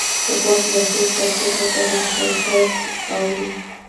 غوږ له شل تر شل زره هیرټز اوري.